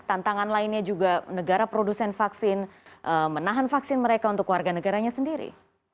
tantangan lainnya juga negara produsen vaksin menahan vaksin mereka untuk warga negaranya sendiri